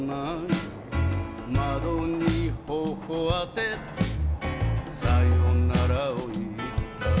「窓に頬あててさよならを言った」